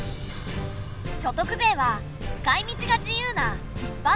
所得税は使いみちが自由な一般財源の一つ。